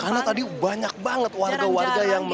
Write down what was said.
karena tadi banyak banget warga warga yang melihat